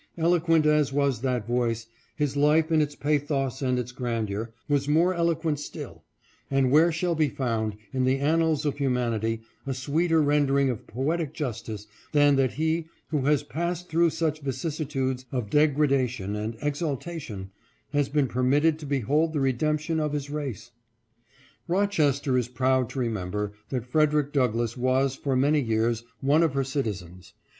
Eloquent as was that voice, his life in its pathos and its grandeur, was more eloquent still ; and where shall be found, in the annals of humanity, a sweeter rendering of poetic jus tice than that he, who has passed through such vicissitudes of degra dation and exaltation, has been permitted to behold the redemption of his race? "Rochester is proud to remember that Frederick Douglass was, for many years, one of her citizens.